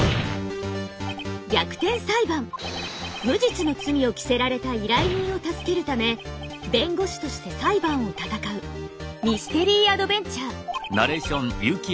無実の罪を着せられた依頼人を助けるため弁護士として裁判をたたかうミステリーアドベンチャー。